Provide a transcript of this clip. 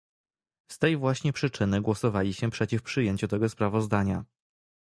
Z tej właśnie przyczyny głosowaliśmy przeciw przyjęciu tego sprawozdania